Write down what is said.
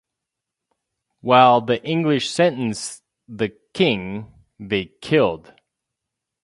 While the English sentence The king, they killed.